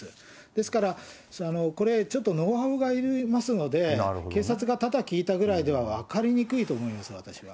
ですから、これ、ちょっとノウハウがいりますので、警察がただ聞いたぐらいでは、分かりにくいと思います、私は。